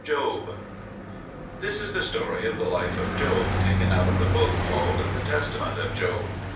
JOB This is the story of the life of Job, taken out of the book called The Testament of Job.